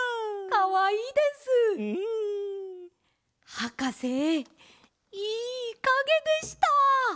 はかせいいかげでした！